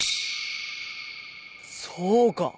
そうか！